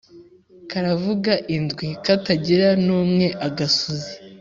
Karavuga indwi katagira n'umwe-Agasuzi.